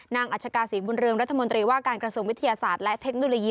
อัชกาศรีบุญเรืองรัฐมนตรีว่าการกระทรวงวิทยาศาสตร์และเทคโนโลยี